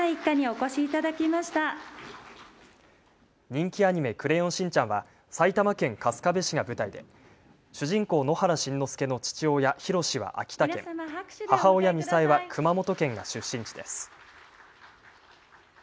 人気アニメ、クレヨンしんちゃんは埼玉県春日部市が舞台で主人公、野原しんのすけの父親、ひろしは秋田県、母親、みさえは熊本県が出身地です。